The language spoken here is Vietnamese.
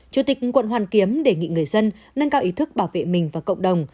chủ tịch quận hoàn kiếm đề nghị người dân nâng cao ý thức bảo vệ mình và cộng đồng